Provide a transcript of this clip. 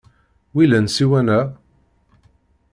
Wilan ssiwan-a?